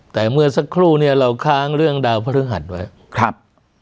แต่เมื่อสักครู่เราค้างเรื่องดาวพฤหัสไว้